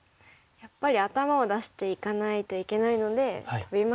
やっぱり頭を出していかないといけないのでトビますか。